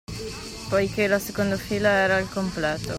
Poiché la seconda fila era al completo